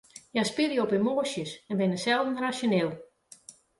Hja spylje op emoasjes en binne selden rasjoneel.